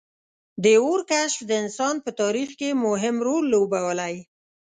• د اور کشف د انسان په تاریخ کې مهم رول لوبولی.